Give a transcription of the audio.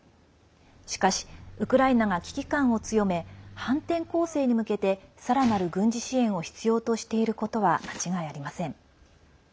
しかし、ウクライナが危機感を強め、反転攻勢に向けてさらなる軍事支援を必要としていることは間違いありません。